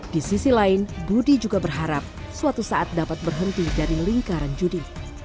di sisi lain budi juga berharap suatu saat dapat berhenti dari lingkaran judi